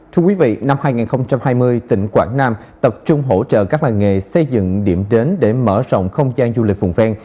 thưa quý vị năm hai nghìn hai mươi tỉnh quảng nam tập trung hỗ trợ các làng nghề xây dựng điểm đến để mở rộng không gian du lịch vùng ven